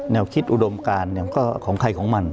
แนวคิดอุดมการของใครของมัน